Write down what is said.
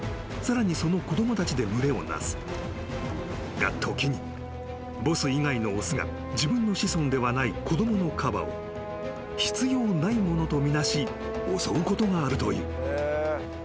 ［が時にボス以外の雄が自分の子孫ではない子供のカバを必要ないものと見なし襲うことがあるという］